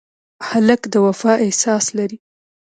هلک د وفا احساس لري.